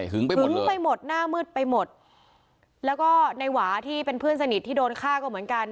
หมุนไปหมดหน้ามืดไปหมดแล้วก็ในหวาที่เป็นเพื่อนสนิทที่โดนฆ่าก็เหมือนกัน